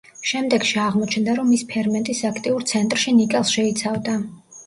შემდეგში აღმოჩნდა, რომ ის ფერმენტის აქტიურ ცენტრში ნიკელს შეიცავდა.